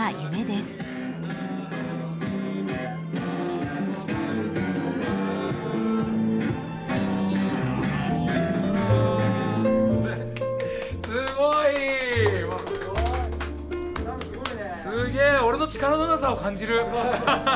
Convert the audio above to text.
すげえ俺の力のなさを感じる。